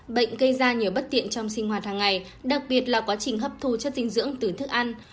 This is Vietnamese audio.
bệnh gây ra nhiều bất tiện trong sinh hoạt hàng ngày đặc biệt là quá trình hấp thu chất dinh dưỡng từ thức ăn